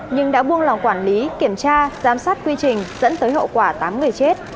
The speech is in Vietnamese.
nhưng đã buông lòng quản lý kiểm tra giám sát quy trình dẫn tới hậu quả tám người chết